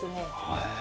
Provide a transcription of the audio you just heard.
へえ。